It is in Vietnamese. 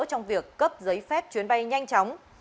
trong việc cấp giấy phép chuyến bay nhanh chóng